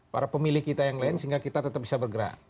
para pemilih kita yang lain sehingga kita tetap bisa bergerak